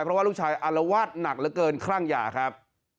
เพราะว่าลูกชายอารวาสหนักเหลือเกินคลั่งยาครับ